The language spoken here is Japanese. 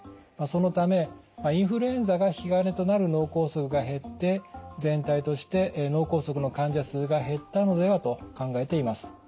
そのためインフルエンザが引き金となる脳梗塞が減って全体として脳梗塞の患者数が減ったのではと考えています。